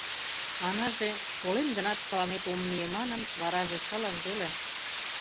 Анаже «Колем гынат, тыланет ом мие» манын, вараже шылын веле...